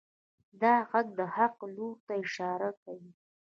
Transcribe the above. دا غږ د حق لور ته اشاره کوي.